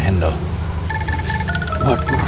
makin parah sakitnya